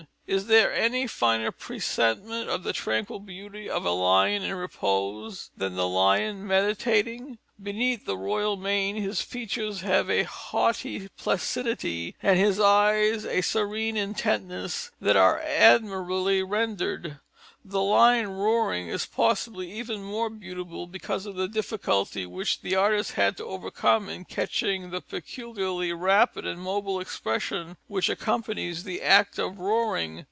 Is there any finer presentment of the tranquil beauty of a lion in repose than The Lion Meditating? Beneath the royal mane, his features have a haughty placidity and his eyes a serene intentness that are admirably rendered. The Lion Roaring is possibly even more beautiful, because of the difficulty which the artist had to overcome in catching the peculiarly rapid and mobile expression which accompanies the act of roaring.